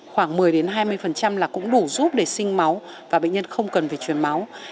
khoảng một mươi hai mươi là cũng đủ giúp để sinh máu và bệnh nhân không cần phải chuyển máu